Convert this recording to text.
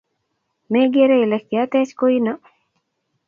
Megere ile kiatech koino?